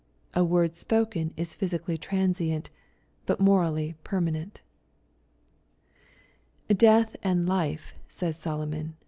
A word spoken is physically transient, but morally permanent," " Death and life," says Solomon.